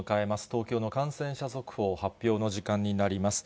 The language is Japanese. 東京の感染者速報発表の時間になります。